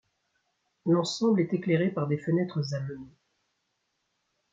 L'ensemble est éclairé par des fenêtres à meneaux.